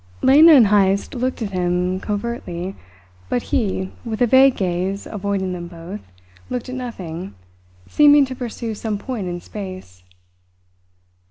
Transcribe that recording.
Lena and Heyst looked at him covertly, but he, with a vague gaze avoiding them both, looked at nothing, seeming to pursue some point in space.